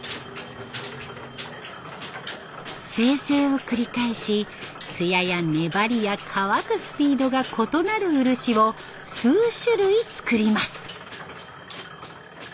精製を繰り返しつやや粘りや乾くスピードが異なる漆を数種類作ります。